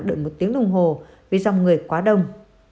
đợi một tiếng đồng hồ vì dòng người quá đông